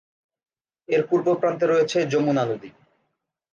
এর পূর্ব প্রান্তে রয়েছে যমুনা নদী।